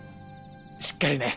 しっかりね。